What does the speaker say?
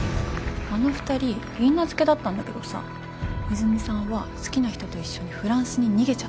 あの２人いいなずけだったんだけどさ泉さんは好きな人と一緒にフランスに逃げちゃったの。